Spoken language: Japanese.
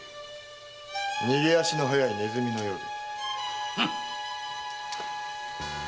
逃げ足の速いネズミのようで。